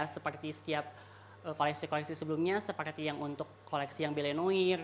seperti setiap koleksi koleksi sebelumnya seperti yang untuk koleksi yang bilenoir